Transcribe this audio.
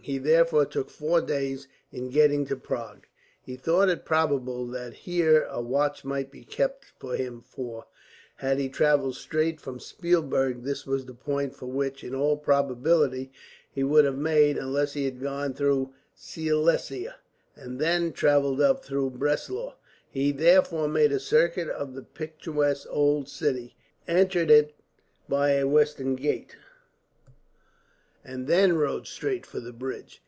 He therefore took four days in getting to Prague. He thought it probable that here a watch might be kept for him for, had he travelled straight from Spielberg, this was the point for which, in all probability, he would have made; unless he had gone through Silesia, and then travelled up through Breslau. He therefore made a circuit of the picturesque old city, entered it by a western gate, and then rode straight for the bridge.